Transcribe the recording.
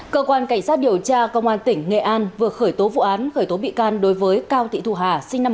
cơ quan cảnh sát điều tra công an tỉnh nghệ an vừa khởi tố vụ án khởi tố bị can đối với cao thị thu hà